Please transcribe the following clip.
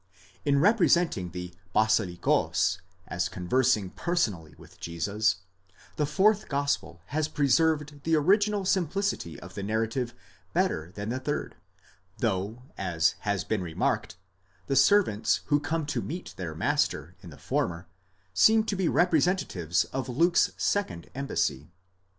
In representing the βασιλικὸς as conversing personally with Jesus, the fourth gospel has preserved the original simplicity of the narrative better than the third ; though as has been remarked, the servants who come to meet their master in the former seem to be representatives of Luke's second embassy.